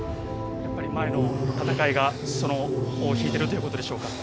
前の戦いが尾を引いているということでしょうか。